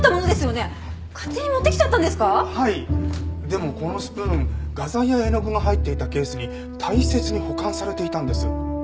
でもこのスプーン画材や絵の具が入っていたケースに大切に保管されていたんです。